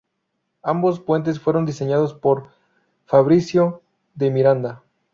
Ambos puentes fueron diseñados por Fabrizio de Miranda.